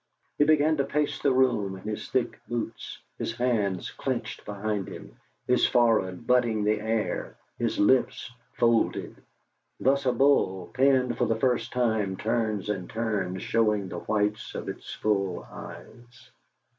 He began to pace the room in his thick boots, his hands clenched behind him, his forehead butting the air, his lips folded; thus a bull, penned for the first time, turns and turns, showing the whites of its full eyes.